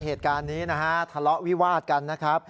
เหตุการณ์นี้นะฮะทะเลาะวิวาดกันนะครับ